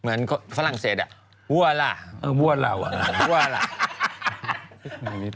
เหมือนฝรั่งเศสอ่ะเว้าละเว้าละ